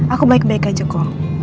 aku baik baik saja kok